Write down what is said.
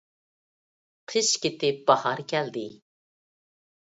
قىش كېتىپ باھار كەلدى.